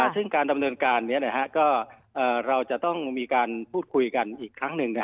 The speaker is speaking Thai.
ซึ่งการดำเนินการนี้เราจะต้องมีการพูดคุยกันอีกครั้งหนึ่ง